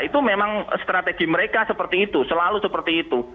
itu memang strategi mereka seperti itu selalu seperti itu